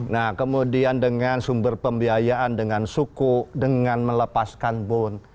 nah kemudian dengan sumber pembiayaan dengan suku dengan melepaskan bon